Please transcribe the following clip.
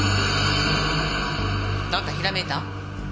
なんかひらめいた？